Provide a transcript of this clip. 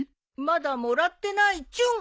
まだもらってないチュン。